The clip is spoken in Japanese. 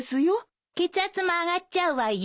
血圧も上がっちゃうわよ。